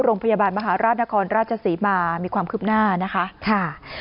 โรงพยาบาลมหาราชนครราชศรีมามีความคืบหน้านะคะค่ะ